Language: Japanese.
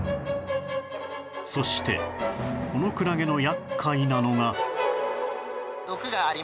そしてこのクラゲの厄介なのが